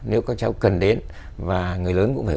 nếu các cháu cần đến và người lớn cũng phải